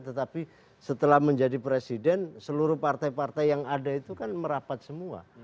tetapi setelah menjadi presiden seluruh partai partai yang ada itu kan merapat semua